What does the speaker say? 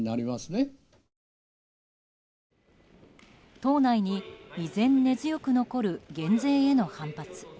党内に依然、根強く残る減税への反発。